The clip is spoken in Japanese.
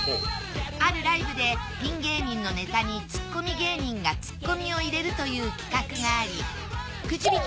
あるライブでピン芸人のネタにツッコミ芸人がツッコミを入れるという企画がありくじ引き